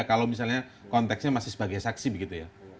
kalau misalnya konteksnya masih sebagai saksi begitu ya